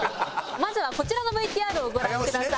まずはこちらのＶＴＲをご覧ください。